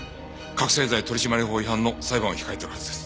覚せい剤取締法違反の裁判を控えてるはずです。